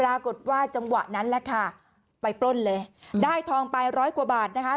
ปรากฏว่าจังหวะนั้นแหละค่ะไปปล้นเลยได้ทองไปร้อยกว่าบาทนะคะ